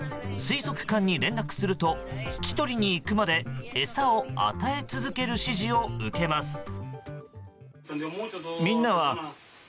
水族館に連絡すると引き取りに行くまで餌を与え続ける指示を受けます。